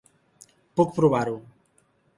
Puc provar-ho.